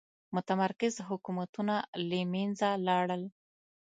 متمرکز حکومتونه له منځه لاړل.